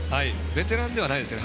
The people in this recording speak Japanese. ベテランではないですね。